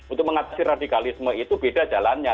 untuk mengatasi radikalisme itu beda jalannya